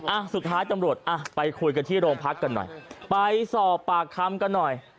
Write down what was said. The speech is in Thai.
อ่ะสุดท้ายตำรวจอ่ะไปคุยกันที่โรงพักกันหน่อยไปสอบปากคำกันหน่อย